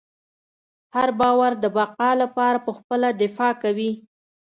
هر باور د بقا لپاره پخپله دفاع کوي.